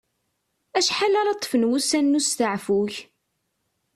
Acḥal ara ṭṭfen wussan n usteɛfu-k?